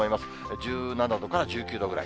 １７度から１９度ぐらい。